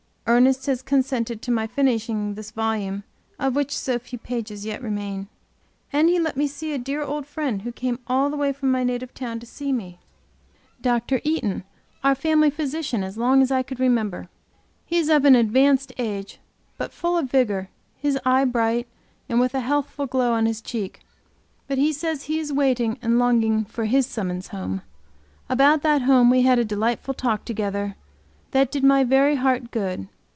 Ernest has consented to my finishing this volume, of which so few pages yet remain. And he let me see a dear old friend who came all the way from my native town to see me Dr. Eaton, our family physician as long as I could remember. He is of an advanced age but full of vigor, his eye bright, and with a healthful glow on his cheek. But he says he is waiting and longing for his summons home. About that home we had a delightful talk together that did my very heart good.